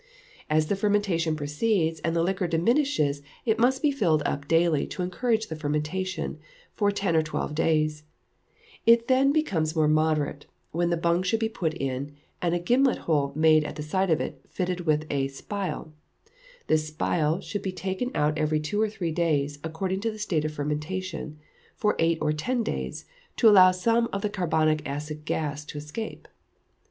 As the fermentation proceeds and the liquor diminishes, it must be filled up daily, to encourage the fermentation, for ten or twelve days; it then becomes more moderate, when the bung should be put in, and a gimlet hole made at the side of it, fitted with a spile; this spile should be taken out every two or three days, according to the state of the fermentation, for eight or ten days, to allow some of the carbonic acid gas to escape.